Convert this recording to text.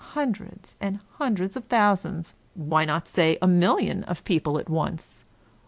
^ Hundreds and hundreds of thou sands — why not say a million of people at once